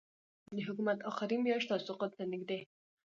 د حکومت آخري میاشت او سقوط ته نږدې